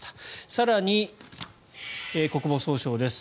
更に、国防総省です。